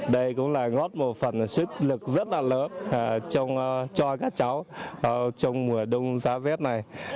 đây cũng là góp một phần sức lực rất là lớn cho các cháu trong mùa đông giá vét này